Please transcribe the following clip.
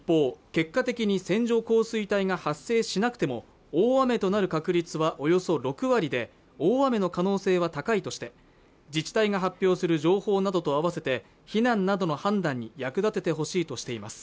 結果的に線状降水帯が発生しなくても大雨となる確率はおよそ６割で大雨の可能性は高いとして自治体が発表する情報などと併せて避難などの判断に役立ててほしいとしています